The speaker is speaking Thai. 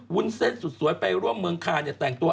วุ้นเส้นสุดสวยไปร่วมเมืองคาเนี่ยแต่งตัว